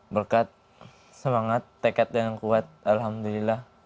berkat semangat tekat dan kuat alhamdulillah